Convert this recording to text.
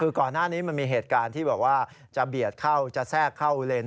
คือก่อนหน้านี้มันมีเหตุการณ์ที่แบบว่าจะเบียดเข้าจะแทรกเข้าเลน